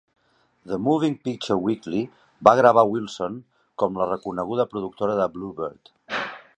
"The Moving Picture Weekly" va gravar Wilson com la reconeguda productora de Bluebird.